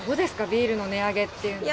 ビールの値上げっていうのは。